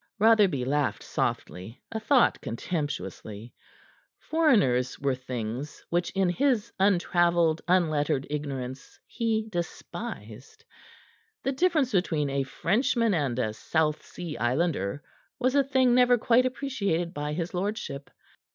Rotherby laughed softly, a thought contemptuously. Foreigners were things which in his untraveled, unlettered ignorance he despised. The difference between a Frenchman and a South Sea Islander was a thing never quite appreciated by his lordship.